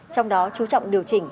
trong đó chú trọng điều chỉnh